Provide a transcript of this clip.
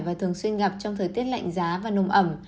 và thường xuyên gặp trong thời tiết lạnh giá và nồm ẩm